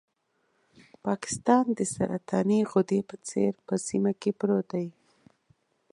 پاکستان د سرطاني غدې په څېر په سیمه کې پروت دی.